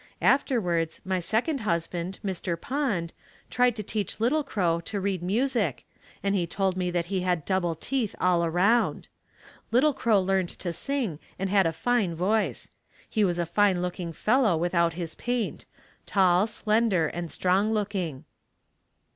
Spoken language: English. Afterwards my second husband, Mr. Pond, tried to teach Little Crow to read music and he told me that he had double teeth all around. Little Crow learned to sing and had a fine voice. He was a fine looking fellow without his paint; tall, slender and strong looking.